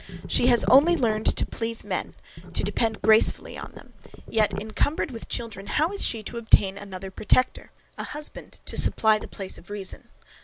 She has only learned to please men, to depend gracefully on them; yet, encumbered with children, how is she to obtain another protector; a husband to supply the place of reason?